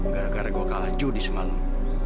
gara gara gue kalah judi semalam